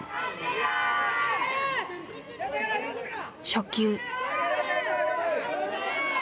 初球。